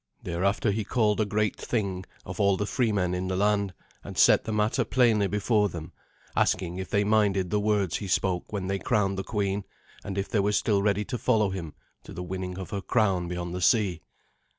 Thereafter he called a great Thing of all the freemen in the land, and set the matter plainly before them, asking if they minded the words he spoke when they crowned the queen, and if they were still ready to follow him to the winning of her crown beyond the sea.